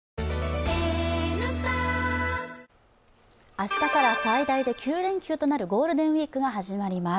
明日から最大で９連休となるゴールデンウイークが始まります。